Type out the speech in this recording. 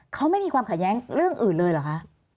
เขาไม่มีความขัดแย้งเรื่องอื่นเลยเหรอคะ